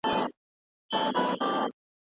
موږ دا نوموو.